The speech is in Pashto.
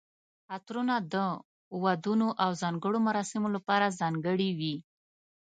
عطرونه د ودونو او ځانګړو مراسمو لپاره ځانګړي وي.